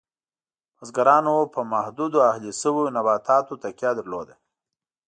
بزګرانو په محدودو اهلي شویو نباتاتو تکیه درلود.